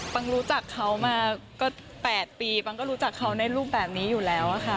รู้จักเขามาก็๘ปีปังก็รู้จักเขาในรูปแบบนี้อยู่แล้วค่ะ